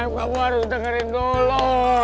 kamu harus dengerin dulu